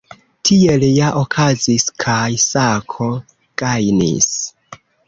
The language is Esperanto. Tiel ja okazis, kaj Sako gajnis.